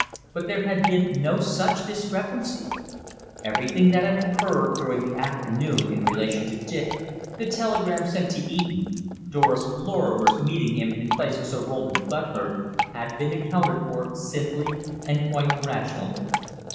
But there had been no such discrepancy. Everything that had occurred during the afternoon in relation to Dick, the telegram sent to Eton, Doris Lorrimer's meeting him in place of Sir Roland's butler, had been accounted for simply and quite rationally.